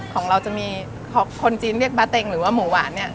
ของเราจะมีคนจีนเรียกบาเต็งหรือว่าหมูหวานเนี่ย